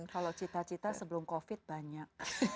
kalau cita cita sebelum covid banyak